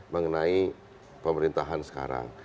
mengenai pemerintahan sekarang